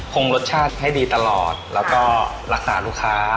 คงรสชาติให้ดีตลอดแล้วก็รักษาลูกค้า